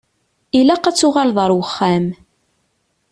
Ilaq ad tuɣaleḍ ar uxxam.